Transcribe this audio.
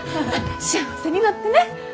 幸せになってね。